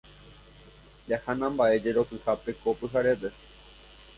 Jahánamba'e jerokyhápe ko pyharépe.